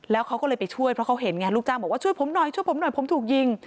แล้วเขาก็เลยไปช่วยเพราะเขาเห็นไงลูกจ้างบอกว่าช่วยผมหน่อยช่วยผมหน่อยผมถูกยิง